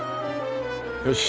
よし！